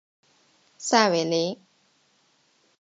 萨韦雷。